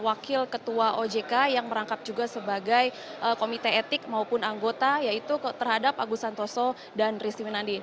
wakil ketua ojk yang merangkap juga sebagai komite etik maupun anggota yaitu terhadap agus santoso dan rizky minandi